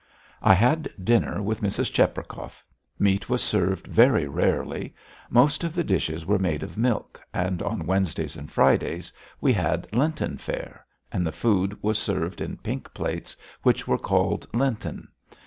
I had dinner with Mrs. Cheprakov. Meat was served very rarely; most of the dishes were made of milk, and on Wednesdays and Fridays we had Lenten fare, and the food was served in pink plates, which were called Lenten.